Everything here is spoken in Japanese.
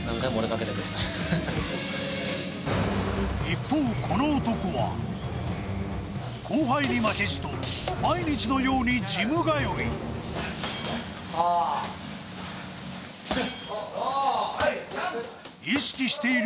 一方、この男は後輩に負けじと毎日のようにジム通い。